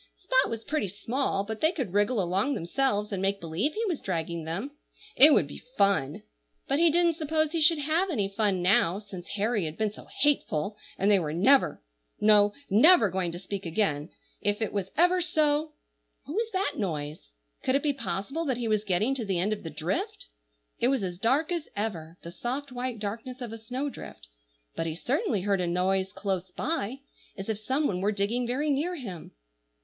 Spot was pretty small, but they could wriggle along themselves, and make believe he was dragging them. It would be fun! but he didn't suppose he should have any fun now, since Harry had been so hateful, and they were never—no, never going to speak again, if it was ever so— What was that noise? Could it be possible that he was getting to the end of the drift? It was as dark as ever,—the soft, white darkness of a snowdrift; but he certainly heard a noise close by, as if some one were digging very near him.